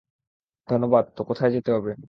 ধন্যবাদ তো কোথায় যেতে হবে?